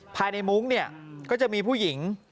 มุ้งเนี่ยก็จะมีผู้หญิง